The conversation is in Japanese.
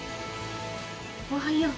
おはよう。